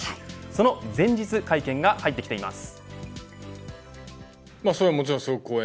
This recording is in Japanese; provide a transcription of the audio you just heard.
その前日会見が入ってきています。